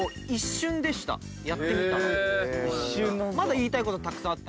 言いたいことたくさんあった。